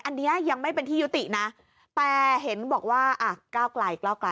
อันเนี่ยยังไม่เป็นที่ยุตินะแปลเห็นบอกว่าเก้ากลาย